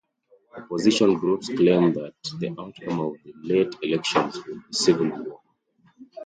Opposition groups claim that the outcome of late elections would be civil war.